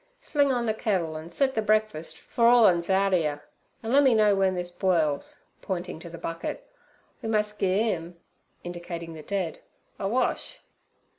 'Sling on ther kettle an' set ther breakfuss for all 'an's out 'ere; an' lemme know wen this boils' pointing to the bucket. 'We must gi'e 'im' indicating the dead, 'a wash.'